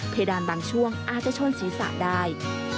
ดานบางช่วงอาจจะชนศีรษะได้